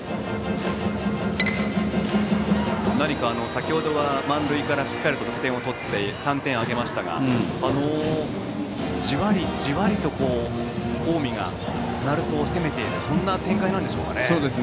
先程は満塁からしっかりと得点を取って３点挙げましたがじわりじわりと近江が鳴門を攻めているそんな展開でしょうか。